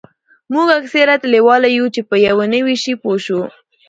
موږ اکثریت لیواله یوو چې په یو نوي شي پوه شو